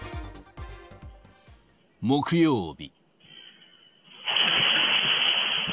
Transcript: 木曜日。